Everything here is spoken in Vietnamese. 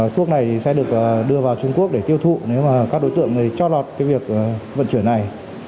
thuốc này sẽ được đưa vào trung quốc để tiêu thụ nếu mà các đối tượng cho lọt cái việc vận chuyển này